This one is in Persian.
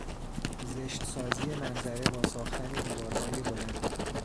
زشتسازی منظره با ساختن دیوارهای بلند